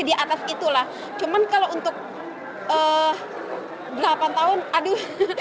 tuntutan delapan tahun menyebutkan putri dituntut pidana delapan tahun penjara bagi putri